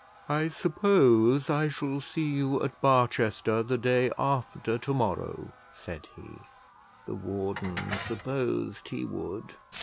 "I suppose I shall see you at Barchester the day after to morrow," said he. The warden supposed he would.